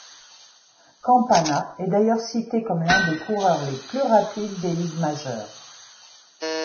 Campana est d'ailleurs cité comme l'un des coureurs les plus rapides des ligues majeures.